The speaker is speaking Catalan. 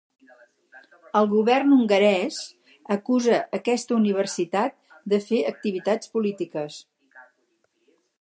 El govern hongarès acusa aquesta universitat de fer ‘activitats polítiques’.